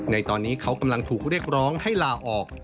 ในตอนนี้เขากำลังถูกเรียกร้องให้ลาออก